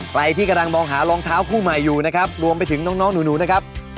ใครที่กำลังมองหารองเท้าคู่ใหม่อยู่นะครับรวมไปถึงน้องหนูนะครับ